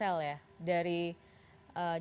rencana untuk pelacakan ponsel ya